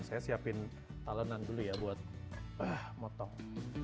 saya siapin talenan dulu ya buat motong